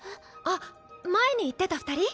あっ前に言ってた二人？